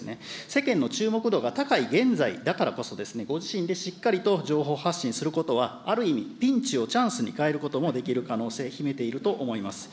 世間の注目度が高い現在だからこそ、ご自身でしっかりと情報発信することは、ある意味、ピンチをチャンスに変えることもできる可能性、秘めていると思います。